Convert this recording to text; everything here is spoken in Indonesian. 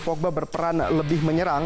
pogba berperan lebih menyerang